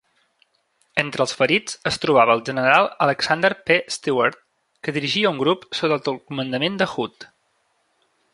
Entre els ferits es trobava el general Alexander P. Stewart, que dirigia un grup sota el comandament de Hood.